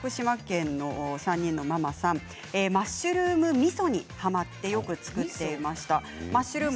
福島県の方からですがマッシュルームみそにはまって作っていました。